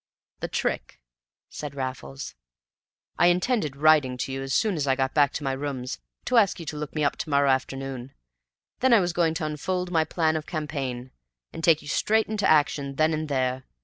"The trick," said Raffles. "I intended writing to you as soon as I got back to my rooms, to ask you to look me up to morrow afternoon; then I was going to unfold my plan of campaign, and take you straight into action then and there.